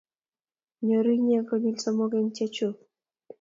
Nyoru inne konyil somok eng chechuk